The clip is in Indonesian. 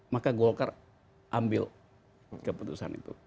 maka golkar ambil keputusan itu